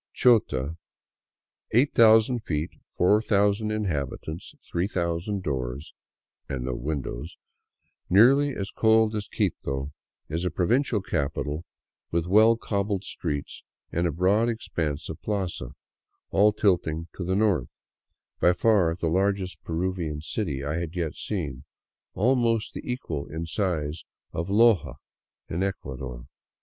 Chota, " 8000 feet, 4000 inhabitants, 3000 doors "— and no windows, nearly as cold as Quito, is a provincial capital with well cobbled streets and a broad expanse of plaza, all tilting to the north, by far the largej Peruvian city I had yet seen, almost the equal in size of Loja in Ecua^ dor.